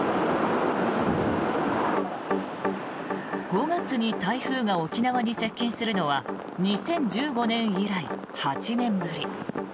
５月に台風が沖縄に接近するのは２０１５年以来８年ぶり。